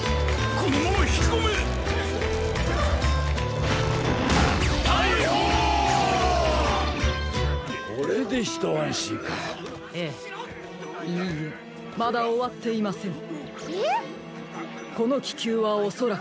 このききゅうはおそらくおとり。